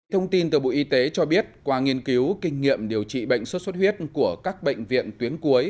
thông tin từ bộ y tế cho biết qua nghiên cứu kinh nghiệm điều trị bệnh xuất xuất huyết của các bệnh viện tuyến cuối